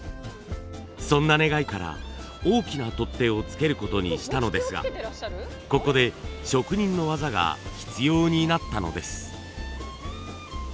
そんな願いから大きな取っ手を付けることにしたのですがここで職人の技が必要になったのです。